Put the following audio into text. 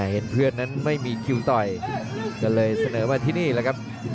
เห็นเพื่อนนั้นไม่มีคิวต่อยก็เลยเสนอมาที่นี่แหละครับ